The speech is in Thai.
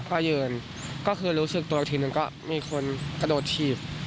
ก็ยืนก็คือรู้สึกตัวอีกทีหนึ่งก็มีคนกระโดดถีบ